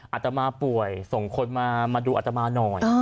อาตมาป่วยส่งคนมาดูอัตมาหน่อย